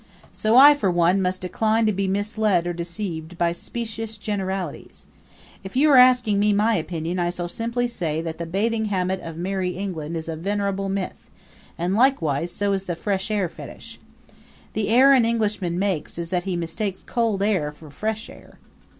So I, for one, must decline to be misled or deceived by specious generalities. If you are asking me my opinion I shall simply say that the bathing habit of Merrie England is a venerable myth, and likewise so is the fresh air fetish. The error an Englishman makes is that he mistakes cold air for fresh air.